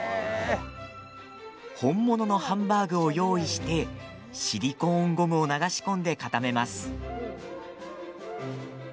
本物のハンバーグを用意してシリコーンゴムを流し込んで固めます。